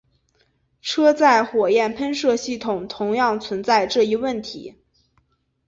车载火焰喷射系统同样存在这一问题。